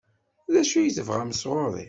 D acu i tebɣam sɣur-i?